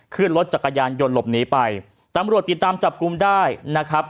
ขึ้นรถจักรยานยนต์หลบหนีไปตำรวจติดตามจับกลุ่มได้นะครับ